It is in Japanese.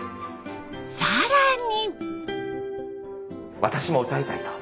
更に。